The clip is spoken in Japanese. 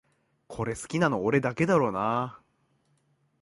これ好きなの俺だけだろうなあ